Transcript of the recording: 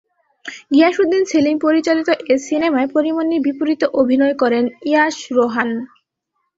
গিয়াসউদ্দিন সেলিম পরিচালিত এ সিনেমায় পরীমনির বিপরীতে অভিনয় করেন ইয়াশ রোহান।